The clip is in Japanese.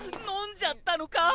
飲んじゃったのか？